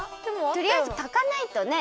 とりあえずたかないとね！